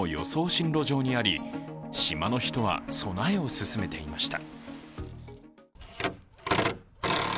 進路上にあり、島の人は備えを進めていました。